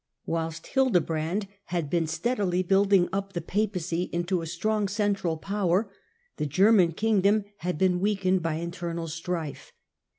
Whilst Hildebrand had been steadily building up the papacy into a strong central power, the German king oonditionof dom had been weakened by internal strife.